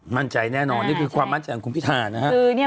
มั่นใจแน่นอนนี่คือความมั่นใจของคุณพิธานะฮะ